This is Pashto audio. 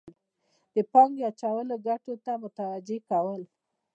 د پانګې اچولو ګټو ته متوجه کول.